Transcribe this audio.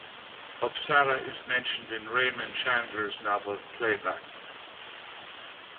Uppsala is mentioned in Raymond Chandler' s novel "Playback".